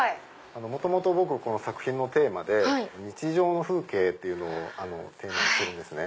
元々僕この作品のテーマで日常の風景っていうのをテーマにしてるんですね。